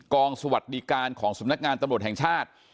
สวัสดีการของสำนักงานตำรวจแห่งชาติ